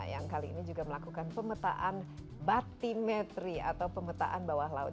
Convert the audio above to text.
yang kali ini juga melakukan pemetaan batimetri atau pemetaan bawah laut